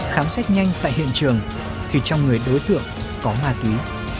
khám xét nhanh tại hiện trường thì trong người đối tượng có ma túy